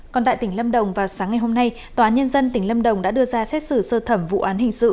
còn tại tỉnh lâm đồng vào sáng ngày hôm nay tòa nhân dân tỉnh lâm đồng đã đưa ra xét xử sơ thẩm vụ án hình sự